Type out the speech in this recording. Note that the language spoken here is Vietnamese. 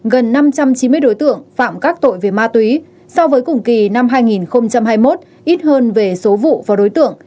gần năm trăm chín mươi đối tượng phạm các tội về ma túy so với cùng kỳ năm hai nghìn hai mươi một ít hơn về số vụ và đối tượng